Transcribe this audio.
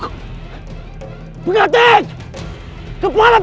jangan gunakan aku coated